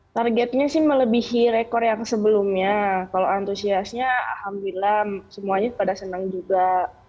targetnya sih melebihi rekor yang sebelumnya kalau antusiasnya alhamdulillah semuanya pada senang juga